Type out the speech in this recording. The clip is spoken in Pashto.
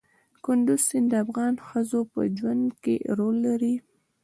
کندز سیند د افغان ښځو په ژوند کې رول لري.